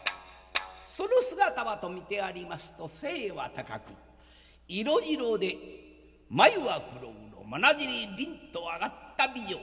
その姿はと見てありますと背は高く色白で眉は黒々まなじりりんと上がった美丈夫。